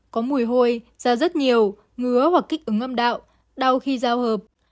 có mùi hôi da rất nhiều ngứa hoặc kích ứng ngâm đạo đau khi giao hợp